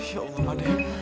ya allah pak deh